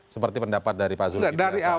seperti pendapat dari pak zulkifli